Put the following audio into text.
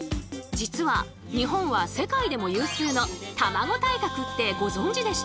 実は日本は世界でも有数のたまご大国ってご存じでした？